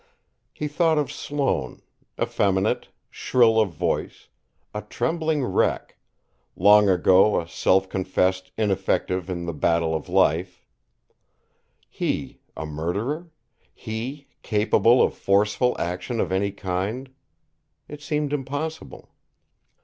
He thought of Sloane, effeminate, shrill of voice, a trembling wreck, long ago a self confessed ineffective in the battle of life he, a murderer; he, capable of forceful action of any kind? It seemed impossible.